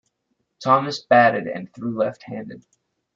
Thomas batted and threw left-handed.